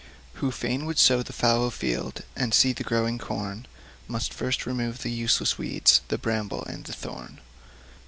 Who fain would sow the fallow field, And see the growing corn, Must first remove the useless weeds, The bramble and the thorn.